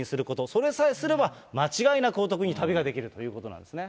それさえすれば、間違いなくお得に旅ができるということなんですね。